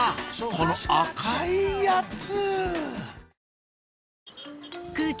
この赤いやつ！